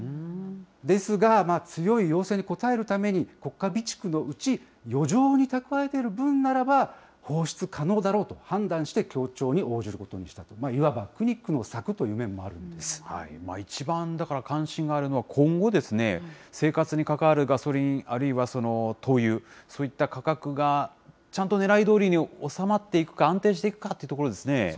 ですが、強い要請に応えるために、国家備蓄のうち余剰に蓄えている分ならば、放出可能だろうと判断して協調に応じることにしたと、いわば苦肉一番、だから関心があるのは今後ですね、生活に関わるガソリン、あるいは灯油、そういった価格が、ちゃんとねらいどおりに収まっていくか、安定していくかっていうところですね。